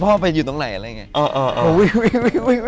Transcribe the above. พ่อไปอยู่ตรงไหนอะไรอย่างนี้